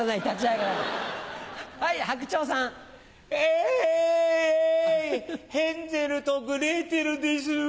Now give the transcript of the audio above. エイエイヘンゼルとグレーテルです。